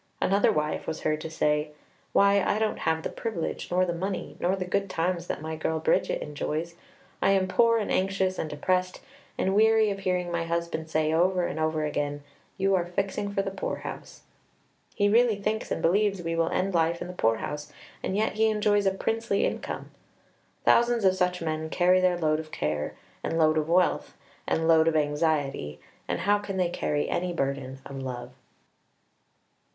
Another wife was heard to say, "Why, I don't have the privilege, nor the money, nor the good times that my girl Bridget enjoys. I am poor and anxious and depressed, and weary of hearing my husband say, over and over again, 'You are fixing for the poor house.' He really thinks and believes we will end life in the poor house; and yet he enjoys a princely income." Thousands of such men carry their load of care, and load of wealth, and load of anxiety, and how can they carry any burden of love?